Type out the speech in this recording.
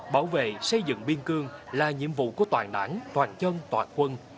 bảo vệ xây dựng biên cương là nhiệm vụ của toàn đảng toàn dân toàn quân